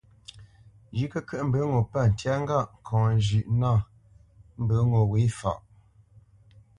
Zhʉ̌ʼ kəkyə́ʼ mbə ŋo pə̂ ntyá ŋgâʼ ŋkɔŋ məlě mbə nâ wě faʼ.